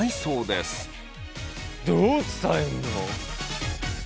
どう伝えんの！？